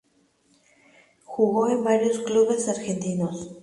Jugó en varios clubes argentinos.